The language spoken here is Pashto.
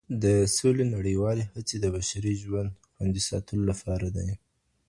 د سولي لپاره نړيوالي هڅي د بشري ژوند د خوندي ساتلو لپاره دي.